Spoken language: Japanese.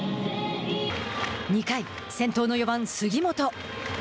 ２回、先頭の４番杉本。